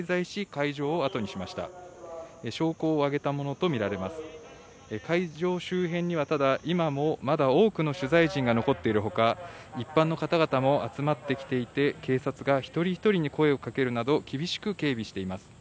会場周辺にはただ、今もまだ多くの取材陣が残っているほか、一般の方々も集まってきていて、警察が一人一人に声をかけるなど、厳しく警備しています。